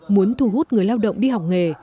muốn thu hút người lao động đi học nghề